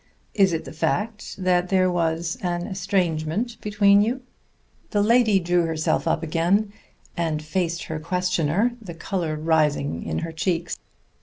Is it the fact that there was an estrangement between you?" The lady drew herself up again and faced her questioner, the color rising in her cheeks.